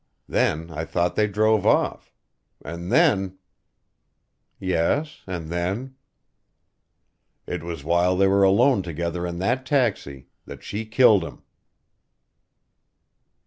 Then I thought they drove off. And then " "Yes and then?" "It was while they were alone together in that taxi, that she killed him!"